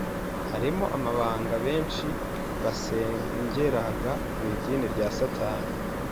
harimo abaganga benshi, basengeraga mw’idini rya Satani,